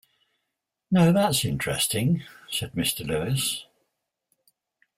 "Now that's interesting," said Mr. Lewis.